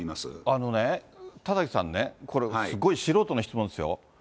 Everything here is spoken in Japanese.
あのね、田崎さんね、これ、すごい素人の質問ですよ。